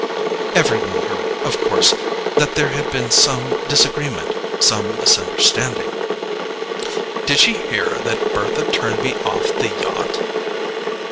"Every one heard, of course, that there had been some disagreement—some misunderstanding——" "Did she hear that Bertha turned me off the yacht?"